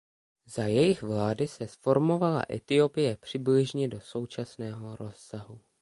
Za jejich vlády se zformovala Etiopie přibližně do současného rozsahu.